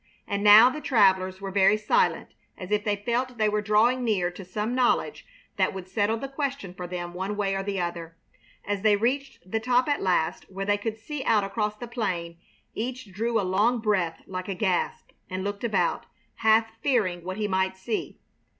And now the travelers were very silent, as if they felt they were drawing near to some knowledge that would settle the question for them one way or the other. As they reached the top at last, where they could see out across the plain, each drew a long breath like a gasp and looked about, half fearing what he might see.